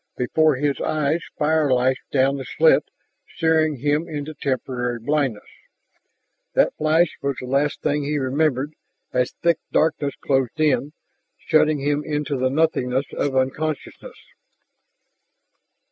Before his eyes fire lashed down the slit, searing him into temporary blindness. That flash was the last thing he remembered as thick darkness closed in, shutting him into the nothingness of unconsciousness.